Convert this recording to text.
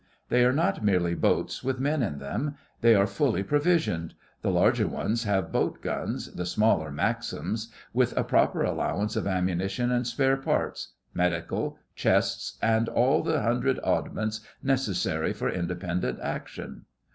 They are not merely boats with men in them. They are fully provisioned; the larger ones have boat guns, the smaller Maxims, with a proper allowance of ammunition and spare parts, medical, chests, and all the hundred oddments necessary for independent action.